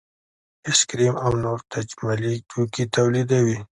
ایس کریم او نور تجملي توکي تولیدوي